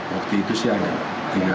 waktu itu sih ada